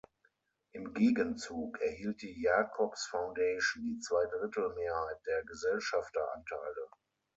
Im Gegenzug erhielt die Jacobs-Foundation die Zwei-Drittel-Mehrheit der Gesellschafteranteile.